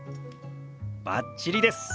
バッチリです。